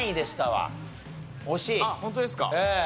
あっホントですか？